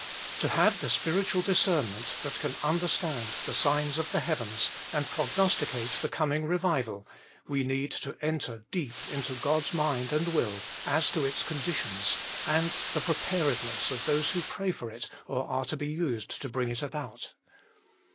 To have the spiritual discernment that can understand the signs of the heavens, and prognosticate the 184 THE MINISTRY OF INTERCESSION coming revival, we need to enter deep into God a mind and will as to its conditions, and the prepared ness of those who pray for it or are to be used to bring it about.